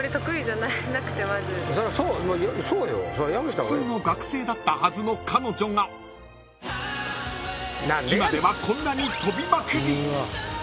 ［普通の学生だったはずの彼女が今ではこんなに］